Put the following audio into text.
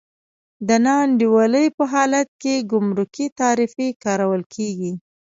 د نا انډولۍ په حالت کې ګمرکي تعرفې کارول کېږي.